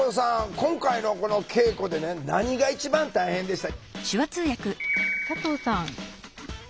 今回のこの稽古でね何が一番大変でした？